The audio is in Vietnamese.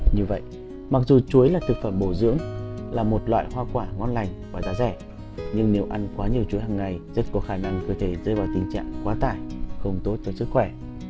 như vậy mặc dù chuối là thực phẩm bổ dưỡng là một loại hoa quả ngon lành và giá rẻ nhưng nếu ăn quá nhiều chuối hàng ngày rất có khả năng cơ thể rơi vào tình trạng quá tải không tốt tới sức khỏe